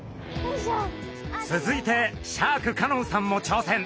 続いてシャーク香音さんもちょうせん！